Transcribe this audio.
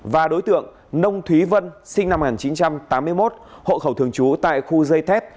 và đối tượng nông thúy vân sinh năm một nghìn chín trăm tám mươi một hộ khẩu thường trú tại khu dây thép